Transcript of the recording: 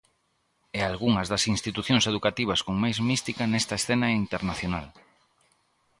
E algunhas das institucións educativas con máis mística nesta escena internacional.